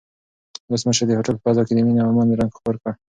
ولسمشر د هوټل په فضا کې د مینې او امن رنګ خپور کړ.